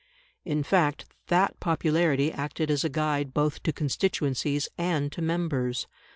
In fact, that popularity acted as a guide both to constituencies and to members.